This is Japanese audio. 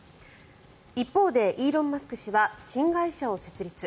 一方でイーロン・マスク氏は新会社を設立。